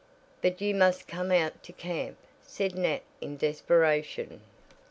"But you must come out to camp," said Nat in desperation.